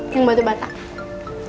yang batu batai